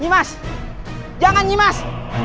nimas jangan nimas